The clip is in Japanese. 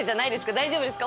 大丈夫ですか？